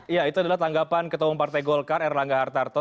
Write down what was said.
iya itu adalah tanggapan ketua partai golkar erangga hartarto